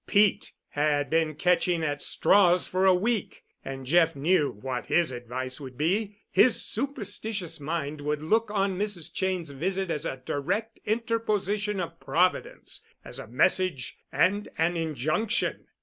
Pete had been catching at straws for a week, and Jeff knew what his advice would be. His superstitious mind would look on Mrs. Cheyne's visit as a direct interposition of Providence, as a message and an injunction.